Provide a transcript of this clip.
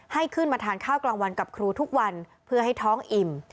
ให้ขึ้นมาทานข้าวกลางวันกับครูทุกวันเพื่อให้ท้องอิ่ม